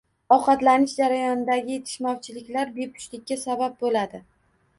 Ovqatlanish jarayonidagi yetishmovchiliklar bepushtlikka sabab bo‘ladi.